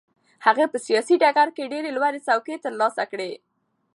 هغه په سیاسي ډګر کې ډېرې لوړې څوکې ترلاسه کړې.